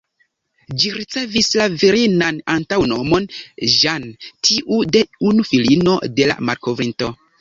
Ĝi ricevis la virinan antaŭnomon ""Jeanne"", tiu de unu filino de la malkovrinto.